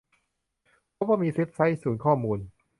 พบว่ามีเว็บไซต์ศูนย์ข้อมูล